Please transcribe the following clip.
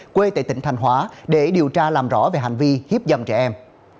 quê tại tỉnh thành hóa để điều tra làm rõ về hành vi hiếp dâm trẻ em